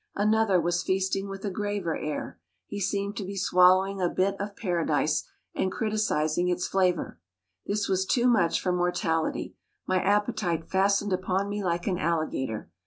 Another was feasting with a graver air; he seemed to be swallowing a bit of Paradise, and criticising its flavor. This was too much for mortality my appetite fastened upon me like an alligator.